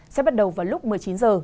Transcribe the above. sẽ bắt đầu vào lúc một mươi chín h